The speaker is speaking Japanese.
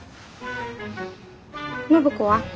暢子は？